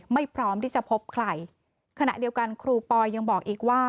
พร้อมที่จะพบใครขณะเดียวกันครูปอยยังบอกอีกว่า